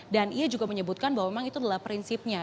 dan ia juga menyebutkan bahwa memang itu adalah prinsipnya